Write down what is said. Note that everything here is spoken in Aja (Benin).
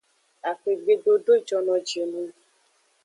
Axwegbe dodo jono ji nung.